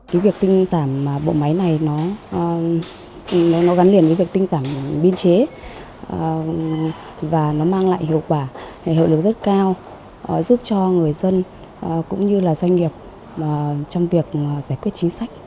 cái việc tinh giản bộ máy này nó gắn liền với việc tinh giảm biên chế và nó mang lại hiệu quả hợp lực rất cao giúp cho người dân cũng như doanh nghiệp trong việc giải quyết chính sách